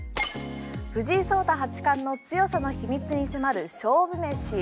藤井聡太八冠の強さの秘密に迫る勝負飯。